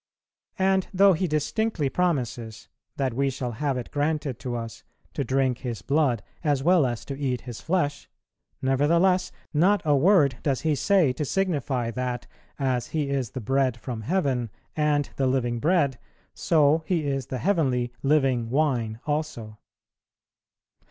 And, though He distinctly promises that we shall have it granted to us to drink His blood, as well as to eat His flesh; nevertheless, not a word does He say to signify that, as He is the Bread from heaven and the living Bread, so He is the heavenly, living Wine also.